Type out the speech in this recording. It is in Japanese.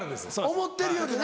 思ってるよりな。